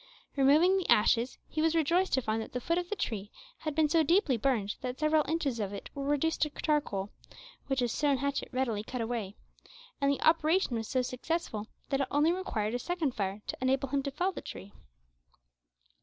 Removing the ashes, he was rejoiced to find that the foot of the tree had been so deeply burned that several inches of it were reduced to charcoal, which his stone hatchet readily cut away, and the operation was so successful that it only required a second fire to enable him to fell the tree.